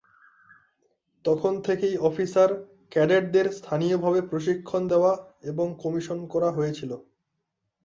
তখন থেকেই অফিসার ক্যাডেটদের স্থানীয়ভাবে প্রশিক্ষণ দেওয়া এবং কমিশন করা হয়েছিলো।